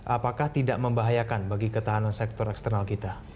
apakah tidak membahayakan bagi ketahanan sektor eksternal kita